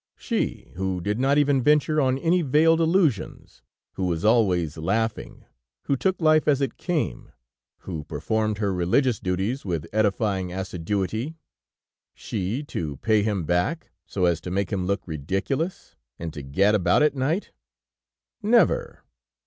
She, who did not even venture on any veiled allusions, who was always laughing, who took life as it came, who performed her religious duties with edifying assiduity, she to pay him back, so as to make him look ridiculous, and to gad about at night? Never!